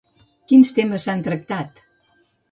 Quins temes s'han tractat?